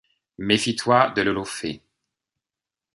Méfie-toi de l’olofée.